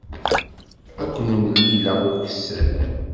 Ad ken-mlileɣ ukessar.